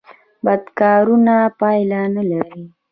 بد کارونه پایله نلري